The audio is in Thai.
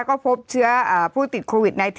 ก็พบเชื้อผู้ติดโควิด๑๙